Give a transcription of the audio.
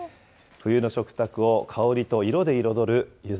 冬の食卓を香りと色で彩るゆず。